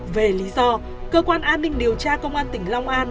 về lý do cơ quan an ninh điều tra công an tỉnh long an